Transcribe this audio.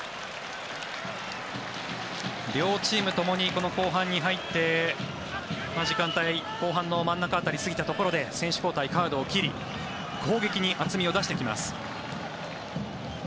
両チームともにこの後半に入って時間帯、後半の真ん中辺りを過ぎたところで選手交代、カードを切り攻撃に厚みを出してきます。